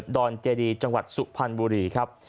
ดอนเจดีจังหวัดสุพรรณบุรีครับ